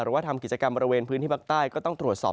ว่าทำกิจกรรมบริเวณพื้นที่ภาคใต้ก็ต้องตรวจสอบ